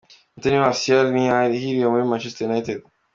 Anthony Martial ntiyahiriwe muri Manchester United.